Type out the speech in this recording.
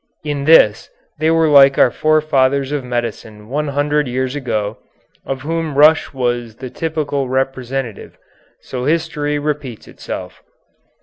In this they were like our forefathers of medicine one hundred years ago, of whom Rush was the typical representative so history repeats itself.